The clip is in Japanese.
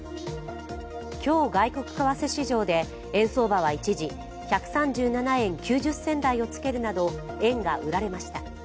今日、外国為替市場で円相場は一時１３７円９０銭台をつけるなど円が売られました。